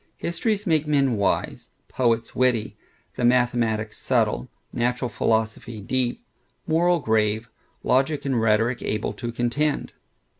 Histories make men wise; poets witty; the mathematics subtile; natural philosophy deep; moral grave; logic and rhetoric able to contend.